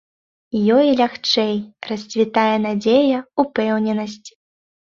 Ёй лягчэй, расцвітае надзея, упэўненасць.